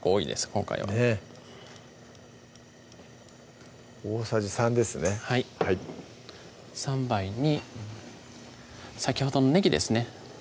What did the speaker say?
今回はねぇ大さじ３ですねはい３杯に先ほどのねぎですね